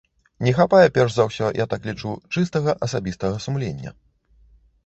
Не хапае, перш за ўсе, я так лічу, чыстага асабістага сумлення.